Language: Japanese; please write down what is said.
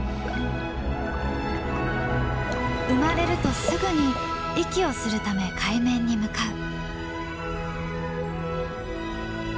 生まれるとすぐに息をするため海面に向かう。